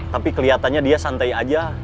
tapi kelihatannya dia santai aja